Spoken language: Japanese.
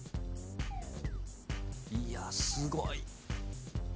いやすごい。